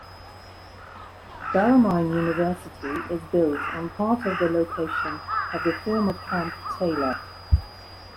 Bellarmine University is built on part of the location of the former Camp Taylor.